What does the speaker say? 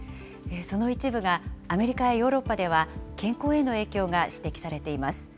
その一部がアメリカやヨーロッパでは健康への影響が指摘されています。